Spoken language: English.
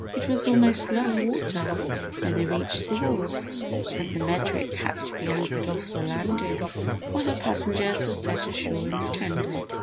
It was almost low water when they reached the wharf and the Medric had to be anchored off the landing while her passengers were set ashore in the tender.